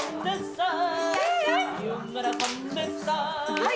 はい！